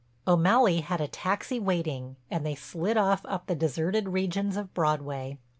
O'Malley had a taxi waiting and they slid off up the deserted regions of Broadway.